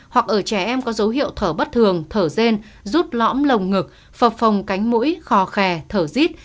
hoặc ở trẻ em có dấu hiệu thở bất thường thở rên rút lõm lồng ngực phập phòng cánh mũi khò khè thở rít